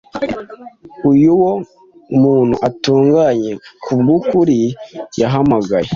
Uyo umuntu utunganye, kubwukuri yahamagaye